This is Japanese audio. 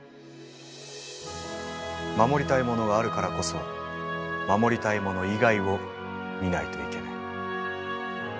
守りたいものがあるからこそ守りたいもの以外を見ないといけない。